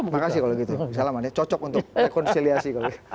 makasih kalau gitu salamannya cocok untuk rekonsiliasi